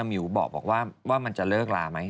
หมิวบอกว่ามันจะเลิกลาไหม